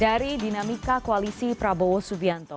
dari dinamika koalisi prabowo subianto